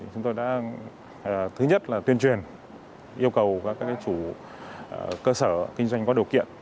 chúng tôi đã thứ nhất là tuyên truyền yêu cầu các chủ cơ sở kinh doanh có điều kiện